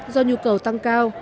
do nhu cầu tăng cao